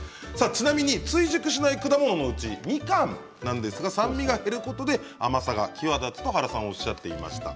ちなみに追熟しない果物のうちみかんなんですが酸味が減ることで甘みが際立つと原さんはおっしゃっていました。